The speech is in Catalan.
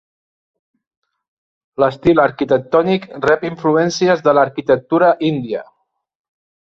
L'estil arquitectònic rep influències de l'arquitectura índia.